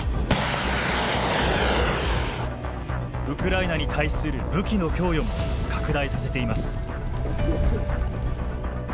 ウクライナに対する武器の供与も拡大させています。